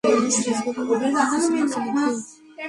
মানুষ ফেসবুকে এবং প্রতিদিন কিছু না কিছু লিখবেই।